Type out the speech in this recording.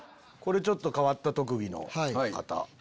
ちょっと変わった特技の方。